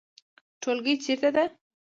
ټولګی چیرته ده؟